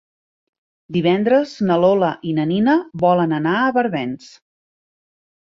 Divendres na Lola i na Nina volen anar a Barbens.